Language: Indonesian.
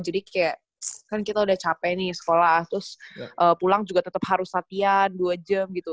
jadi kayak kan kita udah capek nih sekolah terus pulang juga tetep harus latihan dua jam gitu